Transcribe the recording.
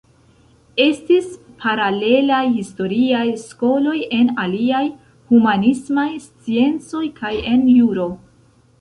Estis paralelaj historiaj skoloj en aliaj humanismaj sciencoj kaj en juro.